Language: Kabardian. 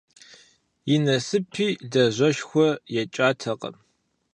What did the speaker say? И насыпти, лажьэшхуэ екӀатэкъым.